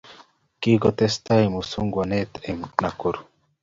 Kikotesak muswagnatet en Nakuru